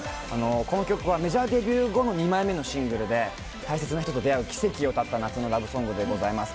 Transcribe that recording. この曲はメジャーデビュー後の２枚目のシングルで大切な人と出会う奇跡を歌った夏のラブソングでございます。